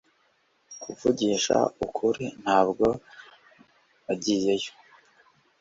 kuvugisha ukuri, ntabwo nagiyeyo